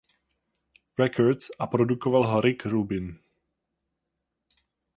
Records a produkoval ho Rick Rubin.